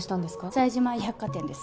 冴島屋百貨店です